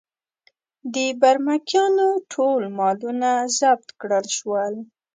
د برمکیانو ټول مالونه ضبط کړل شول.